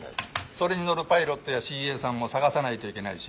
それに乗るパイロットやＣＡさんも探さないといけないし。